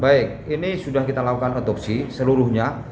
baik ini sudah kita lakukan otopsi seluruhnya